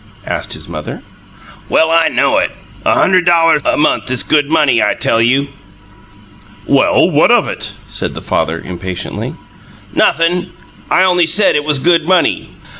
asked his mother. "Well, I KNOW it! A hunderd dollars a month is good money, I tell you!" "Well, what of it?" said the father, impatiently. "Nothin'. I only said it was good money." Mr.